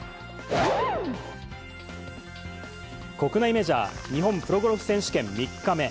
国内メジャー、日本プロゴルフ選手権３日目。